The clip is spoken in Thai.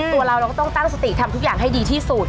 ตัวเราเราก็ต้องตั้งสติทำทุกอย่างให้ดีที่สุด